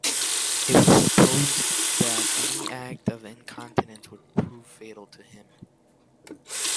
It was supposed that any act of incontinence would prove fatal to him.